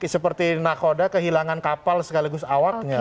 seperti nakoda kehilangan kapal sekaligus awaknya